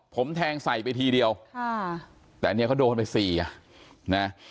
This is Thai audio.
ผมแทงใส่ไปทีเดียวค่ะแต่เนี่ยเขาโดนไปสี่อ่ะนะ